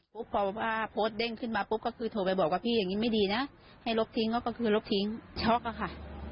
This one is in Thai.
พอว่าโพสต์เด้งขึ้นมาปุ๊บก็คือโทรไปบอกว่าพี่อย่างนี้ไม่ดีนะให้ลบทิ้งเขาก็คือลบทิ้งช็อกอะค่ะ